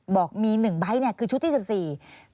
บอกมี๑ใบคือชุดที่๑๔